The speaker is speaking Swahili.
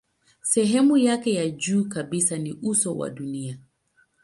Sehemu yake ya juu kabisa ni uso wa dunia.